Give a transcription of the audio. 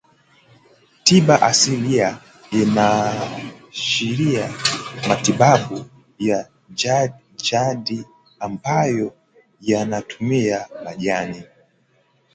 tiba asilia inaashiria matibabu ya jadi ambayo yanatumia majani